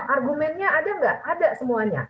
argumennya ada nggak ada semuanya